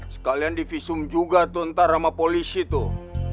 sekalian di visum juga tuh ntar sama polisi tuh